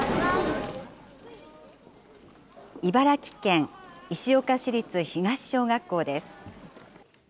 茨城県石岡市立東小学校です。